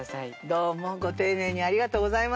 どうもご丁寧にありがとうございます。